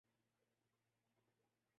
کسی کو جلا کر مار دیا جاتا ہے